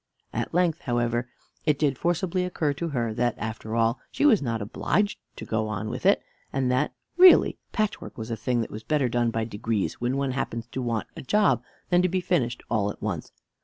At length, however, it did forcibly occur to her that, after all, she was not obliged to go on with it; and that, really, patchwork was a thing that was better done by degrees, when one happens to want a job, than to be finished all at once.